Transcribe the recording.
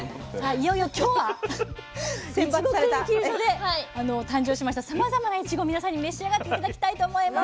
いよいよ今日はいちご研究所で誕生しましたさまざまないちご皆さんに召し上がって頂きたいと思います。